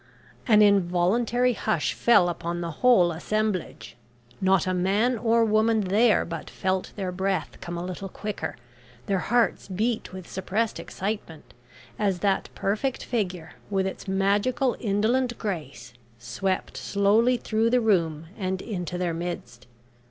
An involuntary hush fell upon the whole assemblage. Not a man or woman there but felt their breath come a little quicker, their hearts beat with suppressed excitement, as that perfect figure, with its magical indolent grace, swept slowly through the room and into their midst.